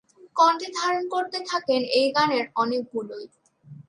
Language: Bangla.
কণ্ঠে ধারণ করতে থাকেন এই গানের অনেকগুলোই।